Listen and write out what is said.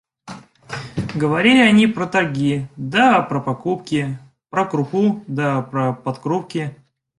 Говорили они про торги да про покупки, про крупу да про подкрупки.